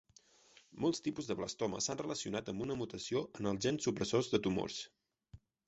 Molts tipus de blastoma s'han relacionat amb una mutació en els gens supressors de tumors.